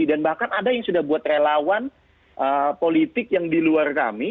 dan bahkan ada yang sudah buat relawan politik yang di luar kami